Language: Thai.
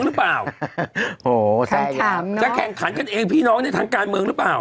หรือเปล่าโหสักถามจะแข่งขันกันเองพี่น้องในทางการเมืองหรือเปล่า